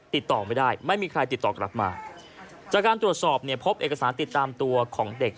ติดต่อไม่ได้ไม่มีใครติดต่อกลับมาจากการตรวจสอบเนี่ยพบเอกสารติดตามตัวของเด็ก